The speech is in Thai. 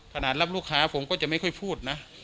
รับลูกค้าผมก็จะไม่ค่อยพูดนะ